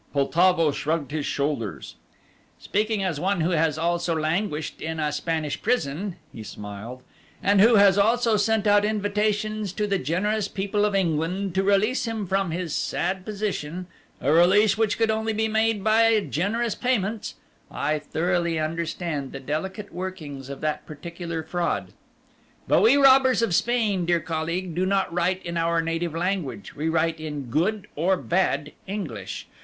Poltavo shrugged his shoulders. "Speaking as one who has also languished in a Spanish prison," he smiled, "and who has also sent out invitations to the generous people of England to release him from his sad position a release which could only be made by generous payments I thoroughly understand the delicate workings of that particular fraud; but we robbers of Spain, dear colleague, do not write in our native language, we write in good, or bad, English.